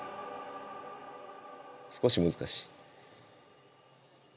少し難しい。